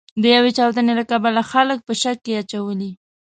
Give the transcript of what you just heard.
د یوې چاودنې له کبله خلک په شک کې اچولي.